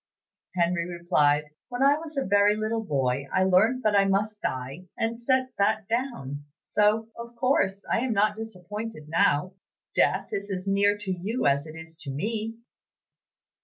Henry replied, 'When I was a very little boy, I learned that I must die, and I set that down, so, of course, I am not disappointed now. Death is as near to you as it is to me.'